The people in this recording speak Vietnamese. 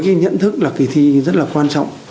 cái nhận thức là kỳ thi rất là quan trọng